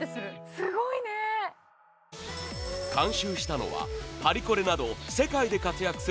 ・すごいね監修したのはパリコレなど世界で活躍する